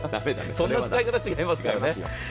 そんな使い方、違いますからね。